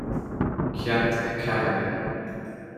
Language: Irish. Ceacht a Ceathair